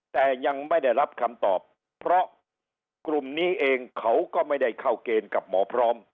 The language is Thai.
แต่ยังไม่ได้รับคำตอบเพราะกลุ่มนี้เองเขาก็ไม่ได้เข้าเกณฑ์กับหมอพร้อม